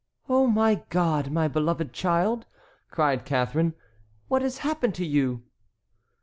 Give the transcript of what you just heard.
"Oh, my God! my beloved child," cried Catharine, "what has happened to you?"